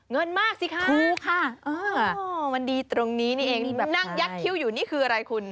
เงินมากสิคะถูกค่ะมันดีตรงนี้นี่เองที่นั่งยักษ์คิ้วอยู่นี่คืออะไรคุณ